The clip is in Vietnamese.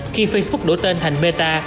và facebook đổ tên thành meta